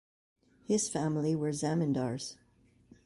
His family were zamindars.